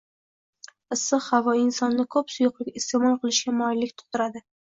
Issiq havo insonni ko‘p suyuqlik iste’mol qilishga moyillik tug‘diradi